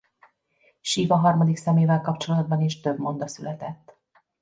Siva harmadik szemével kapcsolatban is több monda született.